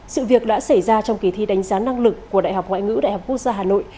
sự việc đã xảy ra trong kỳ thi đánh giá năng lực của đại học ngoại ngữ đại học quốc gia hà nội